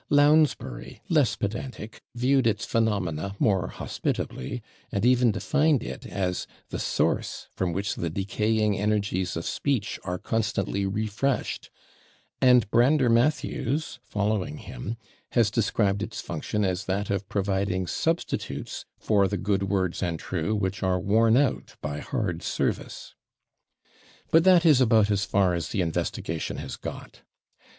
Lounsbury, less pedantic, viewed its phenomena more hospitably, and even defined it as "the source from which the decaying energies of speech are constantly refreshed," and Brander Matthews, following him, has described its function as that of providing "substitutes for the good words and true which are worn out by hard service." But that is about as far as the investigation has got.